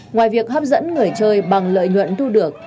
ngoài việc hấp dẫn người chơi bằng lợi nhuận thu được